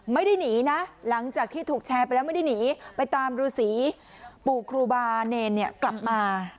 ไม่ได้หนีนะหลังจากที่ถูกแชร์ไปแล้วไม่ได้หนีไปตามฤษีปู่ครูบาเนรเนี่ยกลับมา